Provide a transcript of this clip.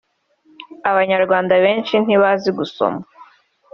f) Abanyarwanda benshi ntibazi gusoma